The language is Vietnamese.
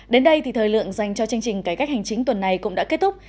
đến đây thì thời lượng dành cho chương trình cải cách hành chính tuần này cũng đã kết thúc